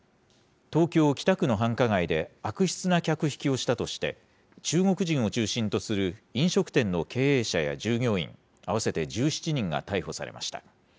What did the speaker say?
東京・北区の繁華街で、悪質な客引きをしたとして、中国人を中心とする飲食店の経営者や従業員合わせて１７人が逮捕されました。